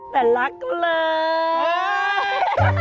แต่รักเลย